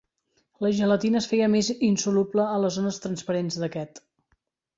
La gelatina es feia més insoluble a les zones transparents d'aquest.